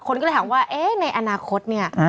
คนก็เลยถามว่าเอ๊ะในอนาคตเนี่ย